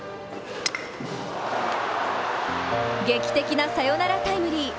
劇的なサヨナラタイムリー！